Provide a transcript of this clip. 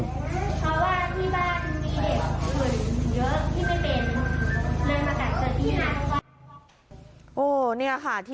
เพราะว่าที่บ้านมีเด็กหลุ่นเยอะที่ไม่เป็นเลยมากัดเจ้าที่นี่